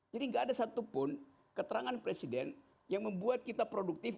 jadi tidak ada satupun keterangan presiden yang membuat kita produktif